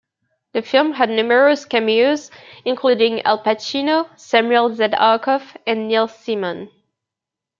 The film had numerous cameos including Al Pacino, Samuel Z. Arkoff and Neil Simon.